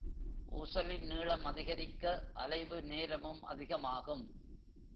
ஊசலின் நீளம் அதிகரிக்க அலைவு நேரமும் அதிகமாகும்.